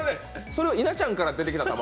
それは稲ちゃんから出てきた卵？